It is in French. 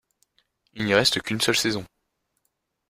Il n'y reste qu'une seule saison.